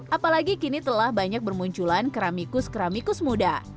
apalagi kini telah banyak bermunculan keramikus keramikus muda